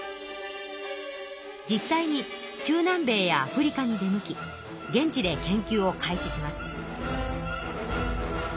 実際に中南米やアフリカに出向き現地で研究を開始します。